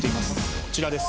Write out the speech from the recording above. こちらです。